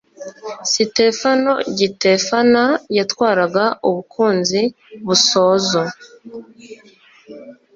Sitefano Gitefana yatwaraga UbukunziBusozo